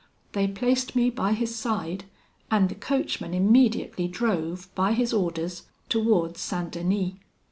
They placed me by his side, and the coachman immediately drove, by his orders, towards St. Denis.